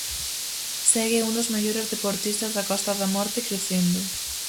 Segue un dos mellores deportistas da Costa da Morte crecendo.